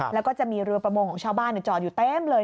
แล้วก็จะมีเรือประมงของชาวบ้านจอดอยู่เต็มเลย